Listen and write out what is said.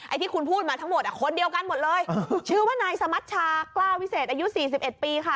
ไอ้ที่คุณพูดมาทั้งหมดคนเดียวกันหมดเลยชื่อว่านายสมัสชากล้าวิเศษอายุ๔๑ปีค่ะ